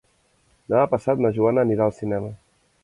Demà passat na Joana anirà al cinema.